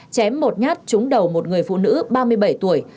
chém một nhát trúng đầu một người phụ nữ ba mươi bảy tuổi